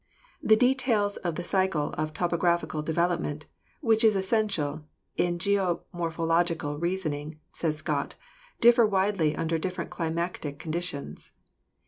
"The details of the cycle of topographical development which is essential in geomorphological reasoning," says Scott, "differ widely under different climatic conditions.